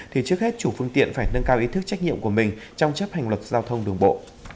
thì trước hết chủ phương tiện phải nâng cao ý thức trách nhiệm của mình trong chấp hành luật giao thông đường bộ